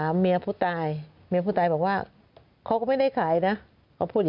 แล้วในเมื่อเจ้าตัวยังไม่ได้ขายแล้วใครขึ้นไปทำ